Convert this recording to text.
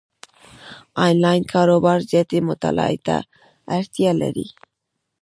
انلاین کاروبار زیاتې مطالعې ته اړتیا لري،